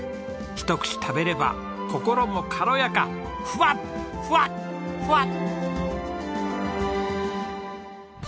一口食べれば心も軽やかふわっふわっふわっ！